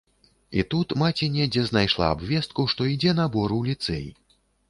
І тут маці недзе знайшла абвестку, што ідзе набор у ліцэй.